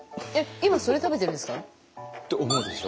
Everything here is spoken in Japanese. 今それ食べてるんですか？と思うでしょ？